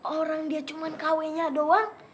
orang dia cuman kawenya doang